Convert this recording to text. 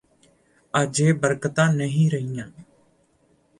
ਅਜ ਇਹ ਬਰਕਤਾਂ ਨਹੀਂ ਰਹੀਆਂ